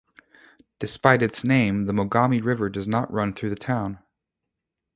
Despite its name, the Mogami River does not run through the town.